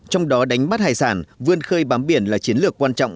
trong đó đánh bắt hải sản vươn khơi bám biển là chiến lược quan trọng